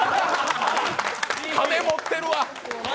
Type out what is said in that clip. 金持ってるわ！